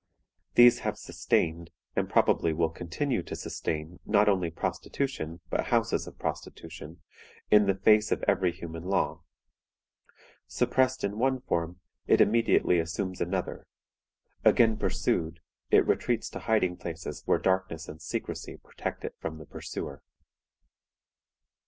These have sustained, and probably will continue to sustain, not only prostitution but houses of prostitution, in the face of every human law. Suppressed in one form, it immediately assumes another. Again pursued, it retreats to hiding places where darkness and secrecy protect it from the pursuer.